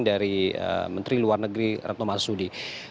dari menteri luar negeri retno marsudi